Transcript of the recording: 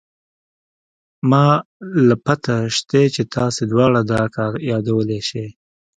ما له پته شتې چې تاسې دواړه دا كار يادولې شې.